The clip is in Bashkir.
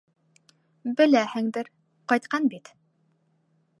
Беләһеңдер: ҡайтҡан бит!..